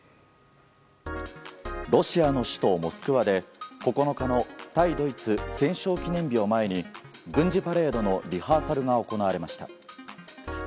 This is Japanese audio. ロシアの首都モスクワで９日の対ドイツ戦勝記念日を前に軍事パレードのリハーサルが行われました。